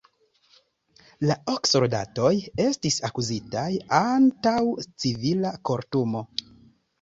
La ok soldatoj estis akuzitaj antaŭ civila kortumo.